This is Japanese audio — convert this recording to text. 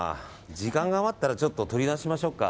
時間が余ったらちょっと撮り直しましょうか。